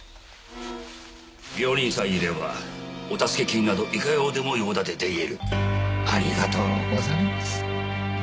病人さえいればお助け金などいかようでも用立てできるありがとうございます